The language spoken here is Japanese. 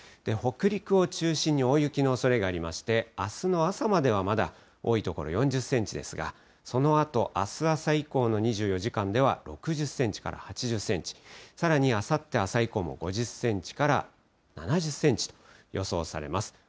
北陸を中心に大雪のおそれがありまして、あすの朝まではまだ多い所、４０センチですが、そのあと、あす朝以降の２４時間では６０センチから８０センチ、さらにあさって朝以降も５０センチから７０センチと予想されます。